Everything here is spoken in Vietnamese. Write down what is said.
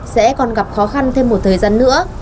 sẽ còn gặp khó khăn thêm một thời gian nữa